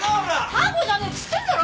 タコじゃねえっつってんだろ！